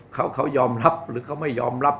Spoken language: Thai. เขายอมรับหรือเขาไม่ยอมรับ